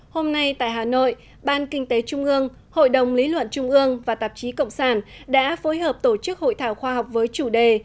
hôm nay tại hà nội ban kinh tế trung ương hội đồng lý luận trung ương và tạp chí cộng sản đã phối hợp tổ chức hội thảo khoa học với chủ đề